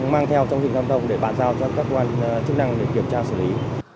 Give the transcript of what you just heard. mang theo trong dịch vụ tội phạm để bàn giao cho các quan chức năng để kiểm tra xử lý